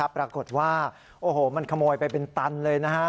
ปรากฏว่ามันขโมยไปเป็นตันเลยนะครับ